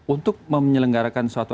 untuk menyelenggarakan suatu